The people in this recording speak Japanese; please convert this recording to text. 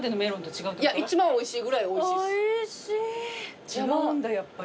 違うんだやっぱり。